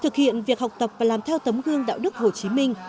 thực hiện việc học tập và làm theo tấm gương đạo đức hồ chí minh